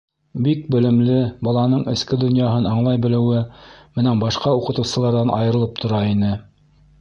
Бик белемле, баланың эске донъяһын аңлай белеүе менән башҡа уҡытыусыларҙан айырылып тора ине.